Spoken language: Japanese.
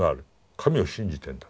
神を信じてんだ。